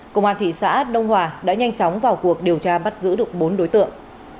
công an thị xã đông hòa đã nhanh chóng vào cuộc điều tra bắt giữ được bốn đối tượng